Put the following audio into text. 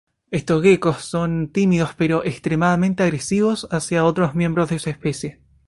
Estos geckos son tímidos pero extremadamente agresivos hacia otros miembros de su especie.